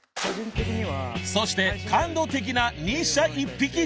［そして感動的な２者１匹鼎談］